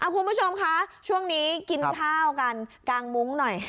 คุณผู้ชมคะช่วงนี้กินข้าวกันกางมุ้งหน่อย